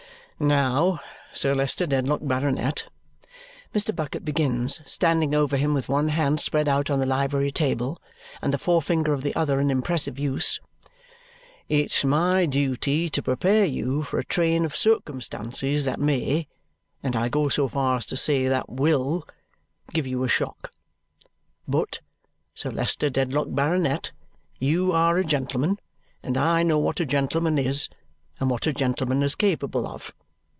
"Now, Sir Leicester Dedlock, Baronet," Mr. Bucket begins, standing over him with one hand spread out on the library table and the forefinger of the other in impressive use, "it's my duty to prepare you for a train of circumstances that may, and I go so far as to say that will, give you a shock. But Sir Leicester Dedlock, Baronet, you are a gentleman, and I know what a gentleman is and what a gentleman is capable of.